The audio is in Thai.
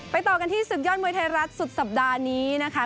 ต่อกันที่ศึกยอดมวยไทยรัฐสุดสัปดาห์นี้นะคะ